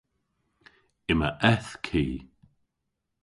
Yma eth ki.